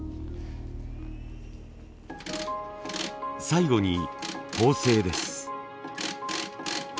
最後に縫製です。